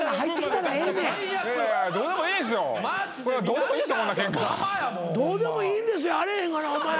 「どうでもいいんです」やあれへんがなお前。